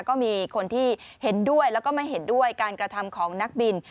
ก็มีคนที่เห็นด้วยแล้วก็ไม่เห็นด้วยการกระทำของนักบิน